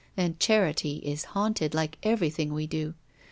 And charity is haunted, like everything we do.